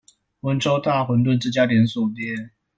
溫州大混飩這家連鎖店